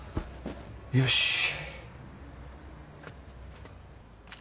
よし！